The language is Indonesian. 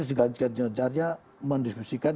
seganjakan jajarnya mendiskusikan